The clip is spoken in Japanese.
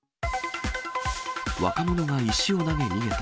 若者が石を投げ逃げた。